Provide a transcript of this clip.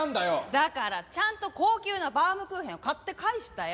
だからちゃんと高級なバウムクーヘンを買って返したよ。